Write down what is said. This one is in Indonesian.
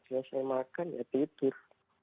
selesai makan ya tidur